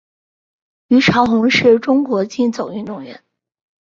虞朝鸿是中国竞走运动员。